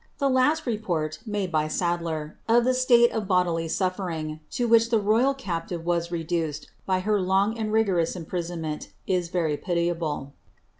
The last report, made by Sadler, of the state of bodily snflering, to which the royal captive was reduced by her long and rigoroQS imprisonment, is very pitiable.